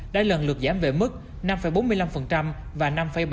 đã lần lượt giảm về mức năm bốn mươi năm và năm ba